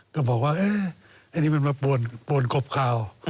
ก็บอกว่าอันนี้มันมาปวนกบข่าว